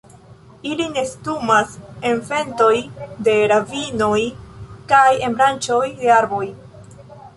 Ili nestumas en fendoj de ravinoj kaj en branĉoj de arboj.